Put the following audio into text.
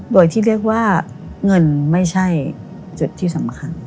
โดยที่เรียกว่าเงินไม่ใช่จุดที่สำคัญ